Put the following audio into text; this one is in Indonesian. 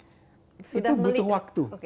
itu butuh waktu